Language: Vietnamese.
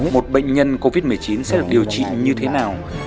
một bệnh nhân covid một mươi chín sẽ được điều trị như thế nào